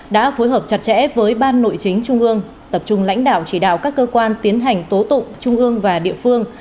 đã phối hợp chặt chẽ với ban nội chính trung ương tập trung lãnh đạo chỉ đạo các cơ quan tiến hành tố tụng trung ương và địa phương